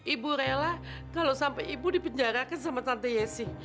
ibu rela kalau sampai ibu dipenjarakan sama tante yesi